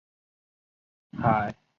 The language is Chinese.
海鸥学园的奇妙传言之一。